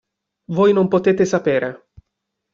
Voi non potete sapere!